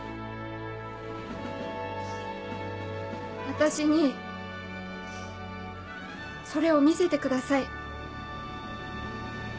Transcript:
私にそれを見せてください。